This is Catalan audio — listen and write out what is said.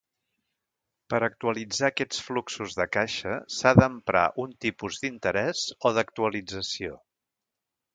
Per actualitzar aquests fluxos de caixa s'ha d'emprar un tipus d'interès o d'actualització.